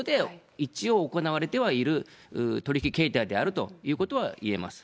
だから一応、法規制の下で一応、行われてはいる取り引き形態であるということはいえます。